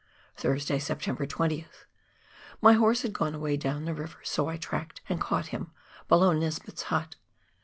Thursday, September 20th. — My horse had gone away down the river, so I tracked and caught him below Nesbitt's hut.